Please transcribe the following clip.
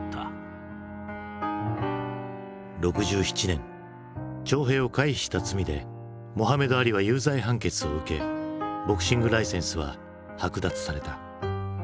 ６７年徴兵を回避した罪でモハメド・アリは有罪判決を受けボクシングライセンスは剥奪された。